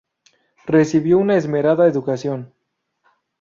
Recibió una esmerada educación.